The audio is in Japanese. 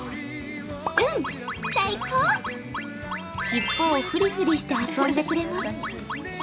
尻尾をふりふりして遊んでくれます。